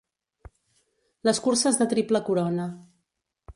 Les curses de triple corona.